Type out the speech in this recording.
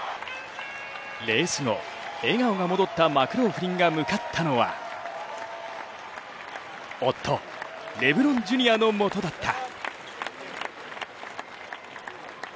レース後、笑顔が戻ったマクローフリンが向かったのは夫、レブロン・ジュニアのもとだった。